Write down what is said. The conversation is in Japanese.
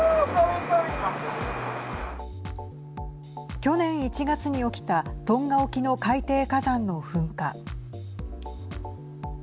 去年１月に起きたトンガ沖の海底火山の噴火。